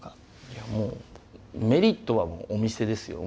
いやもうメリットはお店ですよ。